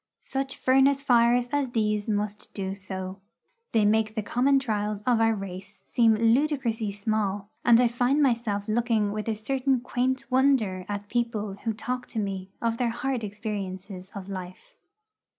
Such furnace fires as these must do so. They make the common trials of our race seem ludicrously small, and I find myself looking with a certain quaint wonder at people who talk to me of their hard experiences of life.